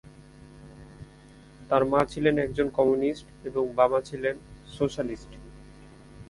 তার মা ছিলেন একজন কম্যুনিস্ট এবং বাবা ছিলেন সোশ্যালিস্ট।